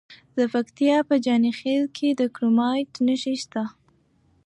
د پکتیا په جاني خیل کې د کرومایټ نښې شته.